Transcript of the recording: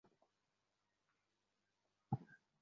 আমি নাভিন, ম্যাল্ডোনিয়ার রাজকুমার।